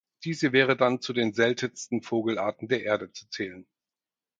Diese wäre dann zu den seltensten Vogelarten der Erde zu zählen.